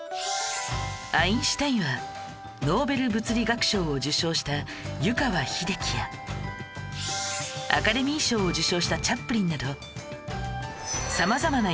アインシュタインはノーベル物理学賞を受賞した湯川秀樹やアカデミー賞を受賞したチャップリンなど